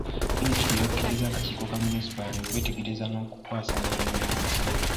Minisitule yakkiriza akakiiko ka munisipaali okwetegereza n'okukwasaganya emirimu egikolebwa.